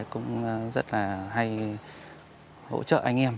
cũng rất là hay hỗ trợ anh em